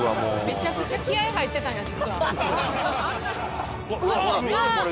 めちゃくちゃ気合入ってたんや実は。